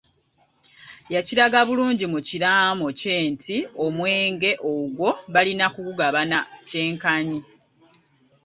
Yakiraga bulungi mu kiraamo kye nti omwenge ogwo balina kugugabana kyenkanyi.